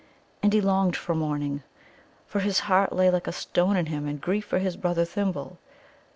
And he longed for morning. For his heart lay like a stone in him in grief for his brother Thimble.